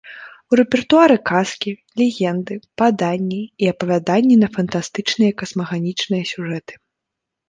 У рэпертуары казкі, легенды, паданні і апавяданні на фантастычныя і касмаганічных сюжэты.